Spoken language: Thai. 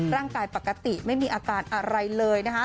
ร่างกายปกติไม่มีอาการอะไรเลยนะคะ